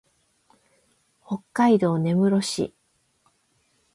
北海道根室市